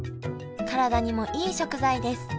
体にもいい食材です。